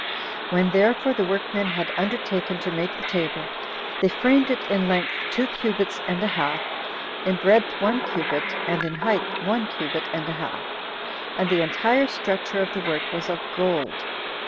9. When therefore the workmen had undertaken to make the table, they framed it in length two cubits [and a half], in breadth one cubit, and in height one cubit and a half; and the entire structure of the work was of gold.